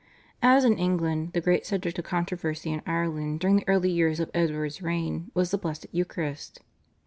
As in England, the great subject of controversy in Ireland during the early years of Edward's reign was the Blessed Eucharist.